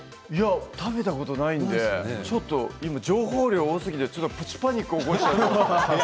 食べたことないのでちょっと情報量多すぎてプチパニック起こしちゃいました。